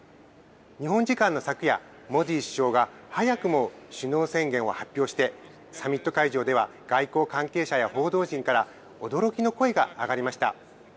日本時間の昨夜、モディ首相が、早くも首脳宣言を発表して、サミット会場では外交関係者や報道陣から、驚きの声が上がりました。